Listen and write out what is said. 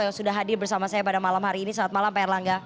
yang sudah hadir bersama saya pada malam hari ini selamat malam pak erlangga